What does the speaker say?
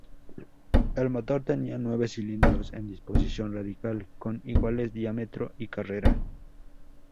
El motor tenía nueve cilindros en disposición radial, con iguales diámetro y carrera.